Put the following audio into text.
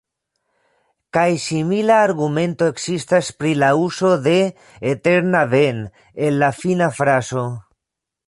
Kaj simila argumento ekzistas pri la uzo de "eterna ben'" en la fina frazo.